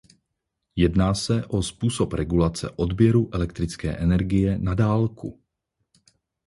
Jedná se o způsob regulace odběru elektrické energie na dálku.